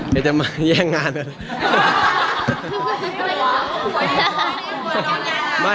เดี้ยจะมาแย่งงานอ่ะ